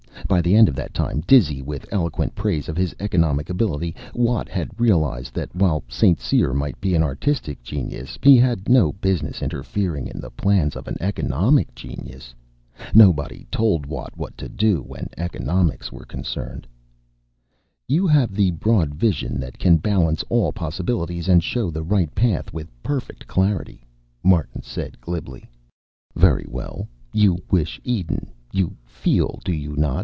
By the end of that time, dizzy with eloquent praise of his economic ability, Watt had realized that while St. Cyr might be an artistic genius, he had no business interfering in the plans of an economic genius. Nobody told Watt what to do when economics were concerned. "You have the broad vision that can balance all possibilities and show the right path with perfect clarity," Martin said glibly. "Very well. You wish Eden. You feel do you not?